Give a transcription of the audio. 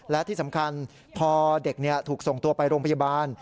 และที่สำคัญพอเด็กถูกส่งตัวไปโรงพยาบาล